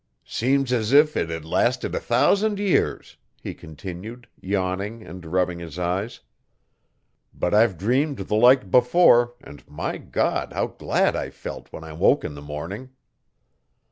'Seems as if it had lasted a thousand years,' he continued, yawning and rubbing his eyes. 'But I've dreamed the like before, and, my God! how glad I felt when I woke in the morning.